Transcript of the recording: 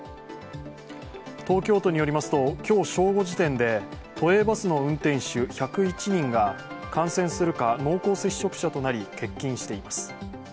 東京都によりますと今日正午時点で都営バスの運転手１０１人が感染するか濃厚接触者となり欠勤しています。